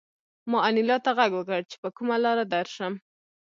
ما انیلا ته غږ وکړ چې په کومه لاره درشم